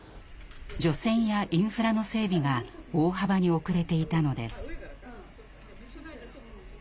除染やインフラの整備が大幅に遅れていたのです。